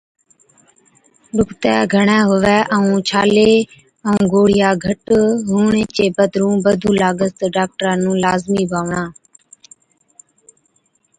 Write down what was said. ڏُکتَي گھڻَي هُوَي ائُون ڇالي ائُون گوڙهِيا گھٽ هُوچي چي بِدرُون بڌُون لاگس تہ ڊاڪٽرا نُون لازمِي بانوَڻا،